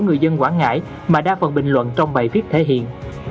người dân quảng ngãi mà đa phần bình luận trong bài viết thể hiện